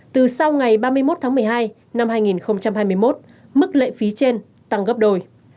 từ sau ngày ba mươi một tháng một mươi hai năm hai nghìn hai mươi một mức lệ phí trên tăng gấp đôi